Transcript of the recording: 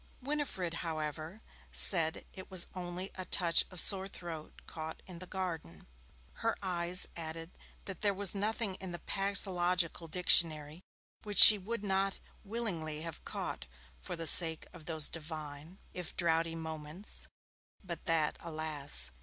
Winifred, however, said it was only a touch of sore throat caught in the garden. Her eyes added that there was nothing in the pathological dictionary which she would not willingly have caught for the sake of those divine, if draughty moments; but that, alas!